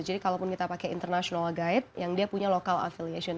jadi kalau pun kita pakai international guide yang dia punya local affiliation